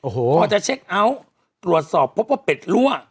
พอจะเช็คเอาท์ตรวจสอบพบว่าเป็ดลั่ว